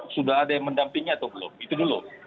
sudah ada yang mendampingi atau belum itu dulu